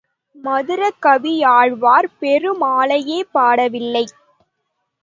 Madhurakavi Alvar பெருமாளையே பாடவில்லை.